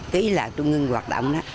ký là tôi ngưng hoạt động đó